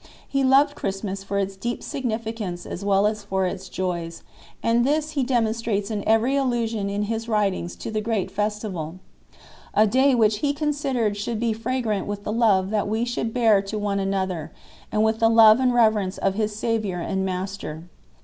He loved Christmas for its deep significance as well as for its joys, and this he demonstrates in every allusion in his writings to the great festival, a day which he considered should be fragrant with the love that we should bear one to another, and with the love and reverence of his Saviour and Master.